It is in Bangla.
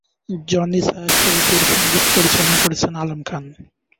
জনি ছায়াছবিটির সঙ্গীত পরিচালনা করেছেন আলম খান।